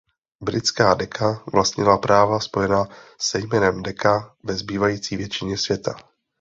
Britská Decca vlastnila práva spojená se jménem Decca ve zbývající většině světa.